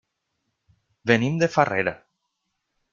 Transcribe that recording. Venim de Farrera.